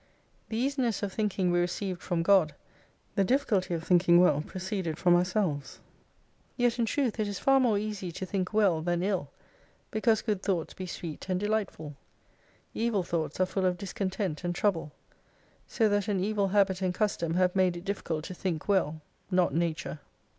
The easiness of thinking we received from God, the difficulty of thinking well proceeded from ourselves. Yet in truth, it is far more easy to think well than ill, because good thoughts be sweet and delightful : Evil thoughts are full of discontent and trouble. So that an evil habit and custom have made it difficult to think well, not Nature.